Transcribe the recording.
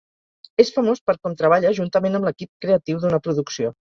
És famós per com treballa juntament amb l'equip creatiu d'una producció.